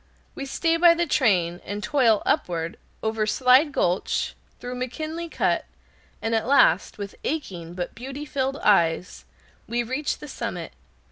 We stay by the train, and toil upward, over Slide Gulch, through McKinley Cut, and at last, with aching but beauty filled eyes, we reach the summit.